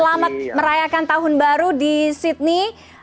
selamat merayakan tahun baru di sydney